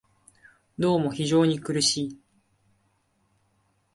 どうも非常に苦しい